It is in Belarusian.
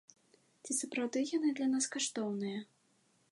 Ці сапраўды яны для нас каштоўныя?